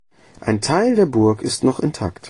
Ein Teil der Burg ist noch intakt.